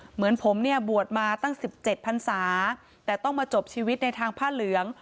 เหมือนผมเนี่ยบวชมาตั้ง๑๗พันศาแต่ต้องมาจบชีวิตในทางผ้าเหลือง